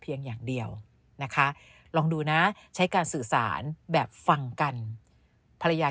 อย่างเดียวนะคะลองดูนะใช้การสื่อสารแบบฟังกันภรรยา